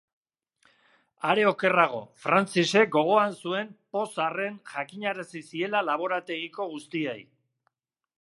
Are okerrago, Francisek gogoan zuen pozarren jakinarazi ziela laborategiko guztiei.